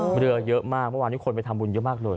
มันเรือเยอะมากเมื่อกี้คนไปทำบุญมากเลย